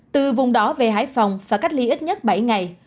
từ vùng đỏ về hải phòng phải cách ly ít nhất bảy ngày